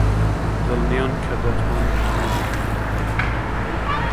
دڵنیان کە دەتوانین ئەمە بکەین؟